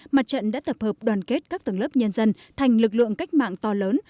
mặt trận đã tập hợp đoàn kết các tầng lớp nhân dân thành lực lượng cách mạng to lớn